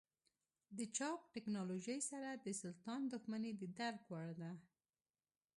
د چاپ ټکنالوژۍ سره د سلطان دښمني د درک وړ ده.